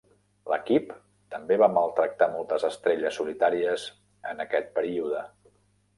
L'equip també va maltractar moltes estrelles solitàries en aquest període.